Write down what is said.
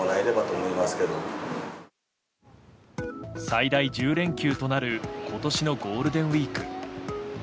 最大１０連休となる今年のゴールデンウィーク。